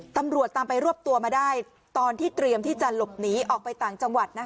ตำรวจตามไปรวบตัวมาได้ตอนที่เตรียมที่จะหลบหนีออกไปต่างจังหวัด